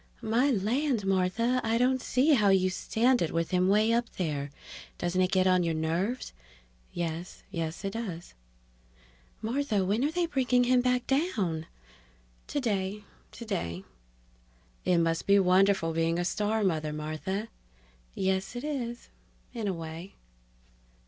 "My land, Martha, I don't see how you stand it with him way up there! Doesn't it get on your nerves?" ("Yes ... Yes, it does.") "Martha, when are they bringing him back down?" ("Today ... Today!") "It must be wonderful being a star mother, Martha." ("Yes, it is in a way.")